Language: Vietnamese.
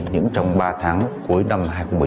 những trong ba tháng cuối năm hai nghìn một mươi sáu